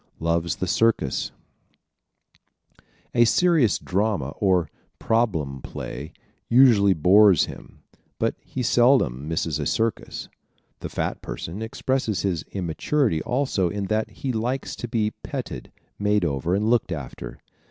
Loves the Circus ¶ A serious drama or "problem play" usually bores him but he seldom misses a circus. The fat person expresses his immaturity also in that he likes to be petted, made over and looked after.